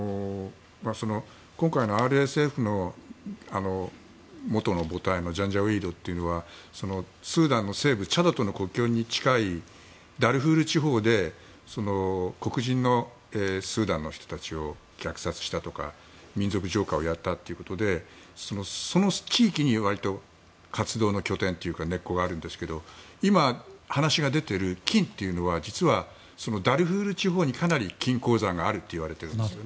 今回のＲＳＦの元の母体のジャンジャウィードというのはスーダンの西部チャドとの国境に近いダルフール地方で黒人のスーダンの人たちを虐殺したとか民族浄化をやったということでその地域に割と活動の拠点というか根っこがあるんですけど今、話が出ている金というのは実は、ダルフール地方にかなり金鉱山があるといわれているんです。